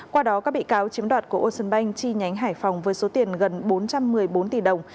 qua đó các bị cáo chiếm đoạt của ocean bank chi nhánh hải phòng với số tiền gần bốn trăm một mươi bốn tỷ đồng